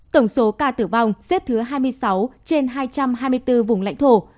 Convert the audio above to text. tổng số ca tử vong xếp thứ hai mươi sáu trên hai trăm hai mươi bốn vùng lãnh thổ